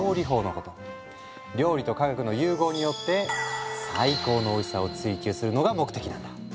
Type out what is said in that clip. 料理と科学の融合によって最高のおいしさを追求するのが目的なんだ。